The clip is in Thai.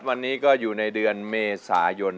วันนี้ก็อยู่ในเดือนเมษายน